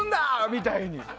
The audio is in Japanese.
みたいに。